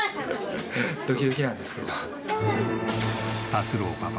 達郎パパ